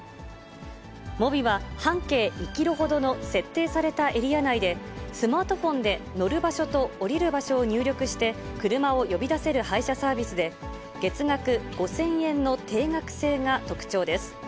モビは、半径２キロほどの設定されたエリア内で、スマートフォンで乗る場所と降りる場所を入力して、車を呼び出せる配車サービスで、月額５０００円の定額制が特徴です。